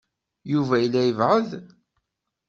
Yuba yella ibeɛɛed.